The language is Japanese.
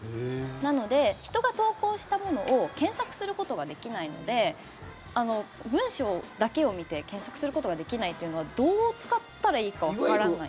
なので、人が投稿したものを検索することができないので文章だけを見て検索することができないっていうのはどう使ったらいいかわからない。